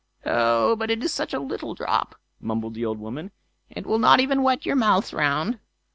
"Oh! but it is such a little drop", mumbled the old woman, "it will not even wet your mouths round."